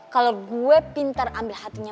kalau gue pintar ambil hatinya